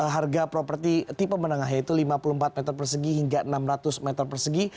harga properti tipe menengah yaitu lima puluh empat meter persegi hingga enam ratus meter persegi